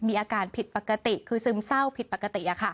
มีอาการผิดปกติคือซึมเศร้าผิดปกติ